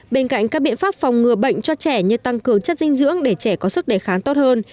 bên cạnh các biện pháp phòng ngừa bệnh cho trẻ như tăng cường chất dinh dưỡng để trẻ có sức đề kháng tốt hơn